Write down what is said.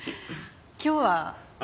今日は？